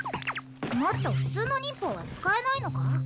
もっと普通の忍法は使えないのか？